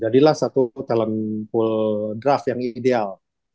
jadilah satu talent pool draft yang ideal